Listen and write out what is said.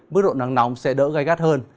mức độ nắng nóng sẽ đỡ gai gắt hơn